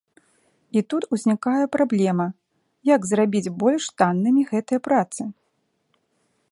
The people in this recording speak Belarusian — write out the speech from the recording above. І тут ўзнікае праблема, як зрабіць больш таннымі гэтыя працы.